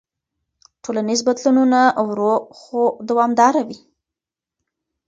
ټولنیز بدلونونه ورو خو دوامداره وي.